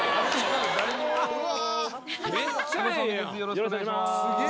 よろしくお願いします。